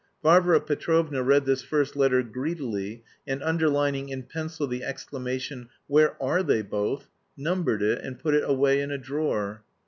Varvara Petrovna read this first letter greedily, and underlining in pencil the exclamation: "Where are they both?" numbered it and put it away in a drawer.